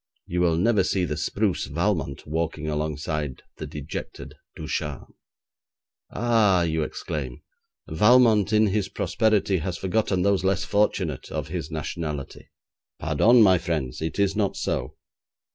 You will never see the spruce Valmont walking alongside the dejected Ducharme. 'Ah!' you exclaim, 'Valmont in his prosperity has forgotten those less fortunate of his nationality.' Pardon, my friends, it is not so.